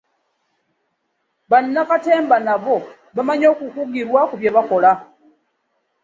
bannakatemba nabo bamanyi okukugirwa kibbue bakola